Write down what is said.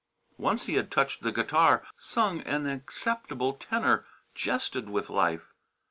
Once he had touched the guitar, sung an acceptable tenor, jested with life.